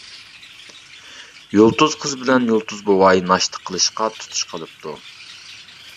يۇلتۇز قىز بىلەن يۇلتۇز بوۋاي ناشتا قىلىشقا تۇتۇش قىلىپتۇ.